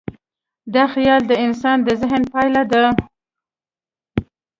دا خیال د انسان د ذهن پایله ده.